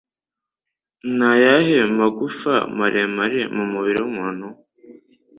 Ni ayahe magufa maremare mu mubiri w'umuntu?